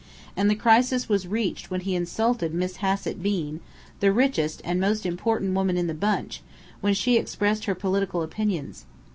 And the crisis was reached when he insulted Miss Hassett Bean, the richest and most important woman in the bunch, when she expressed her political opinions.